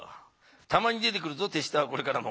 たまに出てくるぞ手下はこれからも。